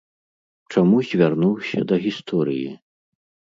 Чаму звярнуўся да гісторыі?